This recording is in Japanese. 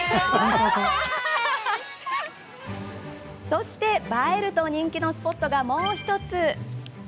そして、映えると人気のスポットがもう１つ。